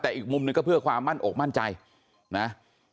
แต่อีกมุมหนึ่งก็เพื่อความมั่นอกมั่นใจนะ